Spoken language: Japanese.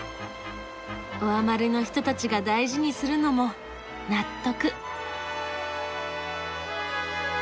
オアマルの人たちが大事にするのも納得。